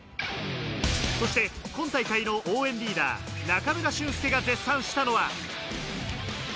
そして今大会の応援リーダー・中村俊輔が絶賛したのは。